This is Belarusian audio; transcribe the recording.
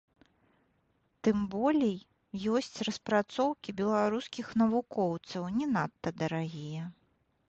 Тым болей, ёсць распрацоўкі беларускіх навукоўцаў, не надта дарагія.